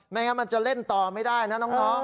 งั้นมันจะเล่นต่อไม่ได้นะน้อง